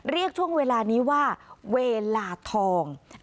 เรียกช่วงเวลานี้ว่าเวลาทอง